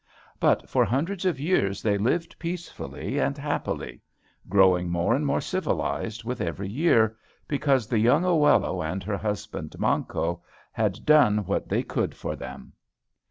But for hundreds of years they lived peacefully and happily, growing more and more civilized with every year, because the young Oello and her husband Manco had done what they could for them.